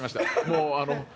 もうあの。